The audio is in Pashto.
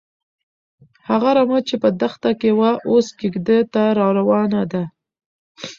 هغه رمه چې په دښته کې وه، اوس کيږديو ته راروانه ده.